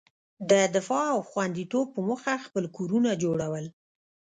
د دفاع او خوندیتوب په موخه خپل کورونه جوړول.